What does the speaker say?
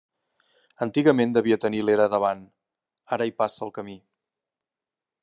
Antigament devia tenir l'era davant; ara hi passa el camí.